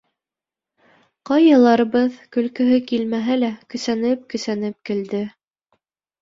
Ҡайһыларыбыҙ көлкөһө килмәһә лә көсәнеп-көсәнеп көлдө.